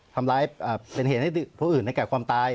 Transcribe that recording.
ทำร้ายเป็นเหตุให้ผู้อื่นในแก่ความตาย